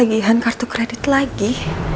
tagihan kartu kredit lagi